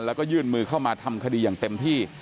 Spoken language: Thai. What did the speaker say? แล้วก็ยื่นมือเข้ามาทำคดีอย่างเต็มที่